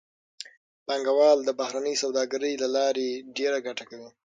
پانګوال د بهرنۍ سوداګرۍ له لارې ډېره ګټه کوي